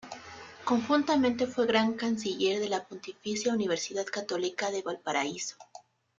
Conjuntamente fue Gran Canciller de la Pontificia Universidad Católica de Valparaíso.